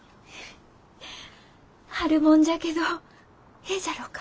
春もんじゃけどええじゃろうか？